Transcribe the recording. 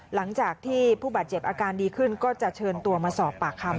หลังจากที่ผู้บาดเจ็บอาการดีขึ้นก็จะเชิญตัวมาสอบปากคำ